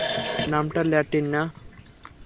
নামটা ল্যাটিন না।